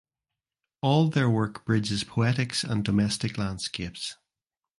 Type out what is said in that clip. All their work bridges poetics and domestic landscapes.